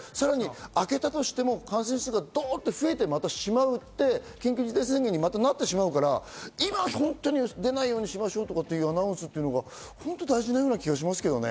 明けたとしても感染者がどんと増えてしまって、緊急事態宣言にまたなってしまうから今、本当に出ないようにしましょうというようなアナウンスが大事なような気がしますけどね。